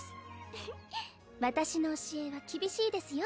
フフッ私の教えは厳しいですよ？